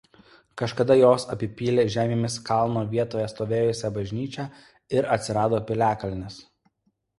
Kažkada jos apipylė žemėmis kalno vietoje stovėjusią bažnyčią ir atsirado piliakalnis.